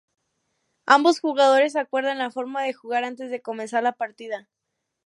Ambos jugadores acuerdan la forma de juego antes de comenzar la partida.